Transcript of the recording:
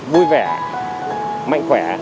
vui vẻ mạnh khỏe